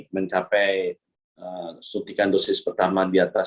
mencapai suntikan dosis pertama di atas